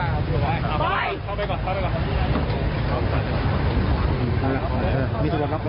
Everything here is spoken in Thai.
เมื่อวานนี้นายกรัฐมือตรงที่สุดริกะทะมุนติดต่อสุดท้าย